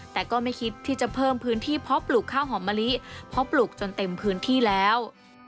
แต่ก็ไม่คิดที่จะเพิ่มพื้นที่เพาะปลูกข้าวหอมมะลิเพราะปลูกจนเต็มพื้นที่แล้ว